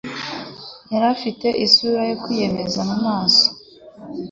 yari afite isura yo kwiyemeza mu maso.